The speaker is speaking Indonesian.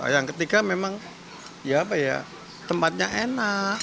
yang ketiga memang tempatnya enak